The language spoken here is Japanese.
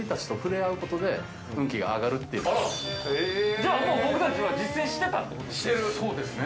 じゃあ、僕たちは実践してたってことですね。